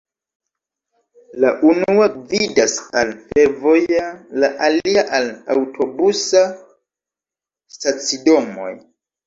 La unua gvidas al fervoja, la alia al aŭtobusa stacidomoj.